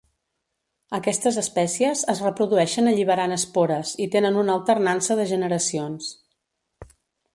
Aquestes espècies es reprodueixen alliberant espores i tenen una alternança de generacions.